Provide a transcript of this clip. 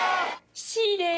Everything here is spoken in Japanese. Ｃです！